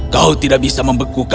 kau tidak bisa membekukanku miranda